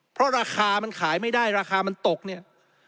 เพราะราคามันขายไม่ได้ราคามันตกเนี่ย